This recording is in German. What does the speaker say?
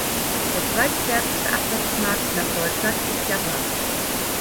Der zweitstärkste Absatzmarkt nach Deutschland ist Japan.